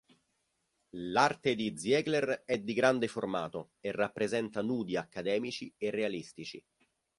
L'arte di Ziegler è di grande formato e rappresenta nudi accademici e realistici.